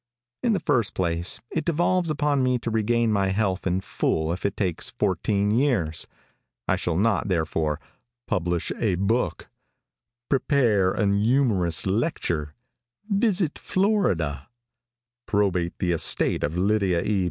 In the first place, it devolves upon me to regain my health in full if it takes fourteen years. I shall not, therefore, "publish a book," "prepare an youmorous lecture," "visit Florida," "probate the estate of Lydia E.